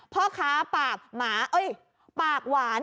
เพราะขาปากหวานอีกต่างหาก